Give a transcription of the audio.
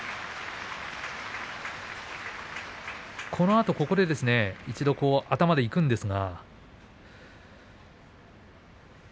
このあとここで一度、頭でいくんですが。